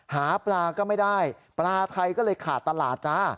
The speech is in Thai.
หาปลาก็ไม่ได้ปลาไทยก็เลยขาดตลาดจ้า